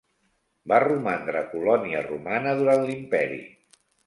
Va romandre colònia romana durant l'imperi.